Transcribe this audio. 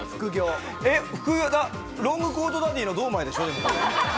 ロングコートダディの堂前でしょ。